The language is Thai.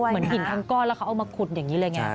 เหมือนหินทั้งก้อนแล้วเขาเอามาขุดอย่างนี้เลยไง